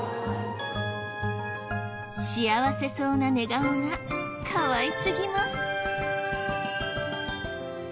幸せそうな寝顔がかわいすぎます。